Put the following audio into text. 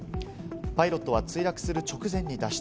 パイロットは墜落する直前に脱出。